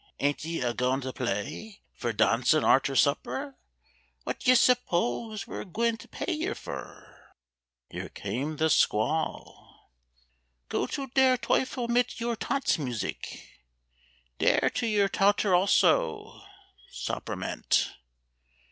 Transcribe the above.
Ain't ye a goin' to play Fur dancing arter supper? Wot d'ye s'pose We're gwine to pay yer fur?" (Here came the squall.) "Go to der Teufel mit your tantz musik! Dere to your tauter also. Sapperment!